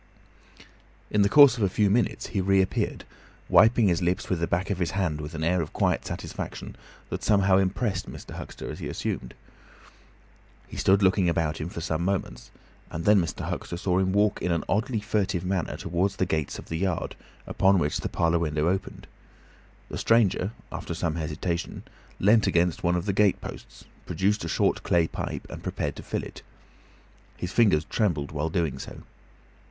In the course of a few minutes he reappeared, wiping his lips with the back of his hand with an air of quiet satisfaction that somehow impressed Mr. Huxter as assumed. He stood looking about him for some moments, and then Mr. Huxter saw him walk in an oddly furtive manner towards the gates of the yard, upon which the parlour window opened. The stranger, after some hesitation, leant against one of the gate posts, produced a short clay pipe, and prepared to fill it. His fingers trembled while doing so.